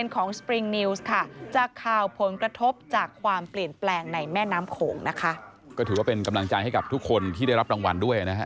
ก็ถือว่าเป็นกำลังใจให้กับทุกคนที่ได้รับรางวัลด้วยนะฮะ